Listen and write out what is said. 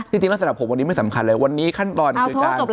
จริงลักษณะผมวันนี้ไม่สำคัญเลยวันนี้ขั้นตอนคือการ